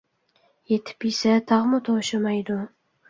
يېتىپ يېسە تاغمۇ توشىمايدۇ.